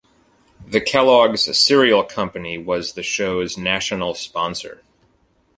The Kellogg's cereal company was the show's national sponsor.